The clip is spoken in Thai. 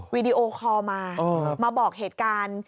วีดีโอคอลมามาบอกเหตุการณ์